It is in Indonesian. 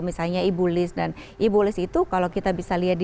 misalnya ibulis dan ibulis itu kalau kita bisa lihat